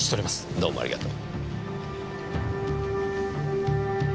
どうもありがとう。